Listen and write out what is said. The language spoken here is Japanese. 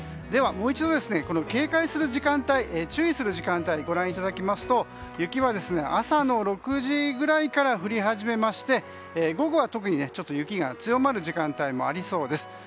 ではもう一度警戒する時間帯注意する時間帯をご覧いただきますと雪は朝の６時くらいから降り始めまして、午後は特に雪が強まる時間帯もありそうです。